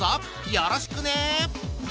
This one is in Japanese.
よろしくね！